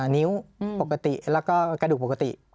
นิ้วปกติแล้วก็กระดูกปกติ